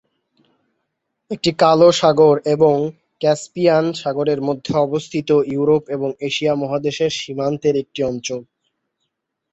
এটি কালো সাগর এবং ক্যাস্পিয়ান সাগরের মধ্যে অবস্থিত, ইউরোপ ও এশিয়া মহাদেশের সীমান্তের একটি অঞ্চল।